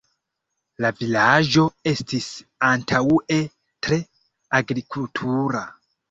La vilaĝo estis antaŭe tre agrikultura.